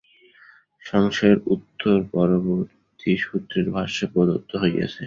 সংশয়ের উত্তর পরবর্তী সূত্রের ভাষ্যে প্রদত্ত হইয়াছে।